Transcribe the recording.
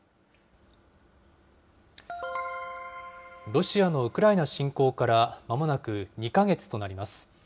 ロシアのウクライナ侵攻からまもなく２か月となります。